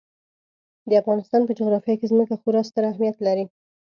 د افغانستان په جغرافیه کې ځمکه خورا ستر اهمیت لري.